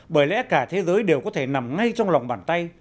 bởi lẽ cả thế giới đều có thể nằm ngay trong lòng bàn tay